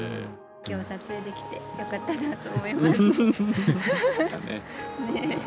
きょう撮影できてよかったなと思います。